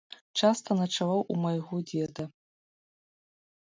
Часта начаваў у майго дзеда.